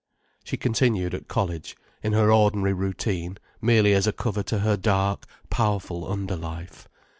She continued at college, in her ordinary routine, merely as a cover to her dark, powerful under life.